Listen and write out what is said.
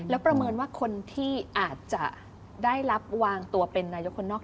แล้วประเมินว่าคนที่อาจจะได้รับวางตัวเป็นนายกคนนอก